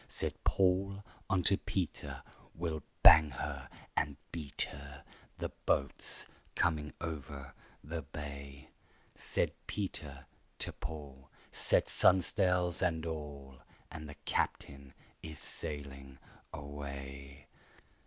Said Paul unto Peter, "We'll bang her and beat her! The boat's coming over the bay." Said Peter to Paul, "Set stun'sles and all, And the captain is sailing away."